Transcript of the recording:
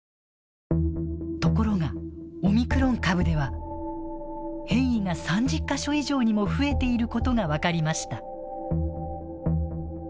ところが、オミクロン株では変異が３０か所以上にも増えていることが分かりました。